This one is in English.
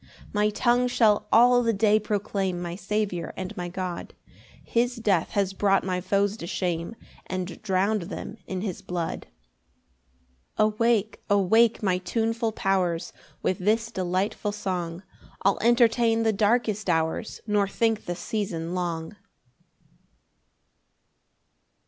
6 [My tongue shall all the day proclaim My Saviour and my God; His death has brought my foes to shame, And drown'd them in his blood. 7 Awake, awake my tuneful powers; With this delightful song I'll entertain the darkest hours, Nor think the season long.